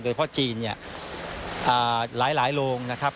โดยเพราะจีนเนี่ยหลายโรงนะครับ